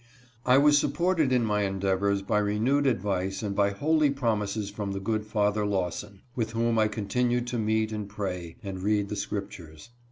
I was supported in my endeavors by renewed advice and by holy promises from the good father Lawson, with whom 1 continued to meet and pray and read the Scriptures.